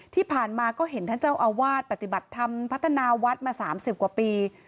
ที่ผ่านมาก็เห็นท่านเจ้าอาวาสปฏิบัติธรรมพัฒนาวัดมา๓๐กว่าปี